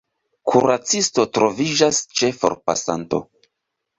Kuracisto troviĝas ĉe forpasanto.